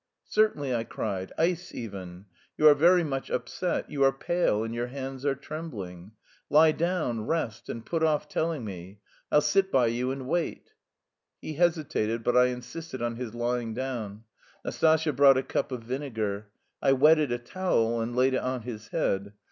"Certainly," I cried, "ice even. You are very much upset. You are pale and your hands are trembling. Lie down, rest, and put off telling me. I'll sit by you and wait." He hesitated, but I insisted on his lying down. Nastasya brought a cup of vinegar. I wetted a towel and laid it on his head.